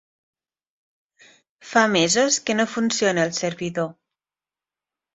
Fa mesos que no funciona el servidor.